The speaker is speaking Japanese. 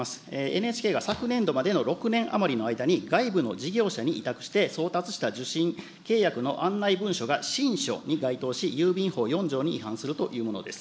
ＮＨＫが昨年度までの６年余りの間に、外部の事業者に委託して送達した受信契約の案内文書が信書に該当し、郵便法４条に違反するというものです。